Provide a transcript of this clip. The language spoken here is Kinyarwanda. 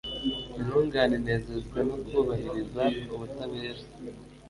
Intungane inezezwa no kubahiriza ubutabera